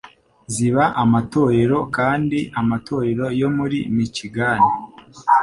ziba amatorero kandi amatorero yo muri Michigan